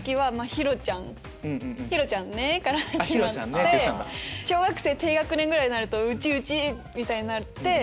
「ひろちゃんね」から始まって小学生低学年ぐらいになると「うちうち」みたいになって。